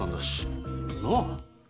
なあ！